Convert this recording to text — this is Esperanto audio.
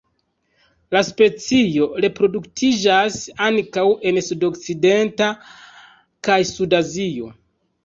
La specio reproduktiĝas ankaŭ en sudokcidenta kaj suda Azio.